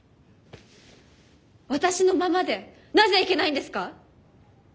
私のままでなぜいけないんですか？